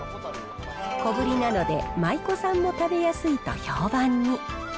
小ぶりなので、舞妓さんも食べやすいと評判に。